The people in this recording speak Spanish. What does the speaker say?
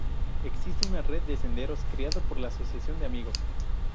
Existe una red de senderos creado por la asociación de amigos.